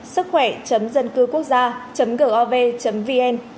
sức khỏe dân cư quốc gia gov vn